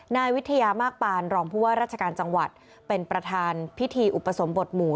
นายวิทยามากปานรองผู้ว่าราชการจังหวัดเป็นประธานพิธีอุปสมบทหมู่